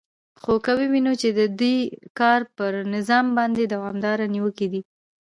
خو که ووینو چې د دوی کار پر نظام باندې دوامدارې نیوکې دي